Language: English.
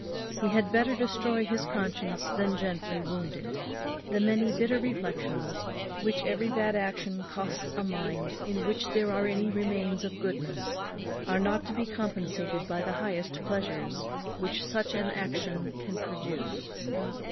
He had better destroy his conscience than gently wound it. The many bitter reflections which every bad action costs a mind in which there are any remains of goodness are not to be compensated by the highest pleasures which such an action can produce.